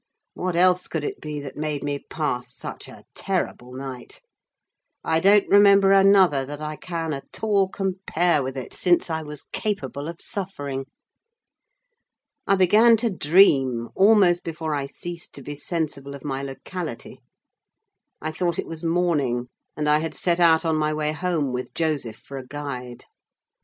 What else could it be that made me pass such a terrible night? I don't remember another that I can at all compare with it since I was capable of suffering. I began to dream, almost before I ceased to be sensible of my locality. I thought it was morning; and I had set out on my way home, with Joseph for a guide.